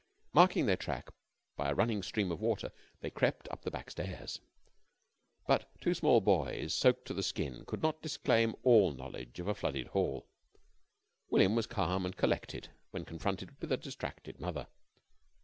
Marking their track by a running stream of water, they crept up the backstairs. But two small boys soaked to the skin could not disclaim all knowledge of a flooded hall. William was calm and collected when confronted with a distracted mother.